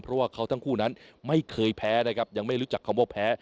เพราะว่าเขาทั้งคู่นั้นไม่เคยแพ้นะครับยังไม่รู้จักคำว่าแพ้